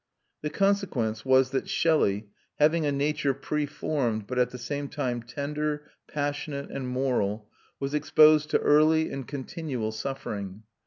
The consequence was that Shelley, having a nature preformed but at the same time tender, passionate, and moral, was exposed to early and continual suffering.